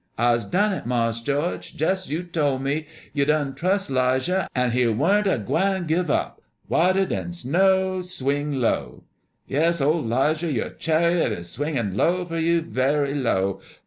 I'se done it, Mars' George, jes' 's you tole me. You done trus' 'Lijah, an' he warn't a gwine to give up. 'Whiter dan sno o ow! Swing low!'" Yes, old 'Lijah, your chariot is swinging low for you, very low.